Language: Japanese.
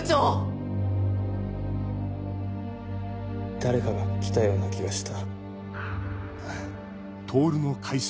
誰かが来たような気がした。